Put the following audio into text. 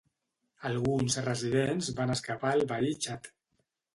Alguns residents van escapar al veí Txad.